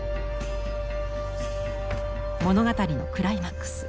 物語のクライマックス。